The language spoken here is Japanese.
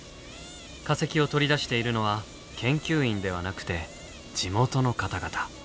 化石を取り出しているのは研究員ではなくて地元の方々。